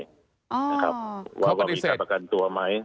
ว่าวันนี้การประกันตัวไหม